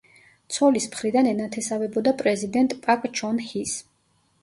ცოლის მხრიდან ენათესავებოდა პრეზიდენტ პაკ ჩონ ჰის.